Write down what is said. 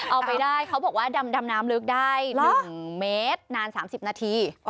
เอาไปได้เขาบอกว่าดำน้ำลึกได้๑เมตรนาน๓๐นาที